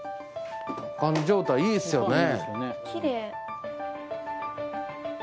保管状態いいっすよね。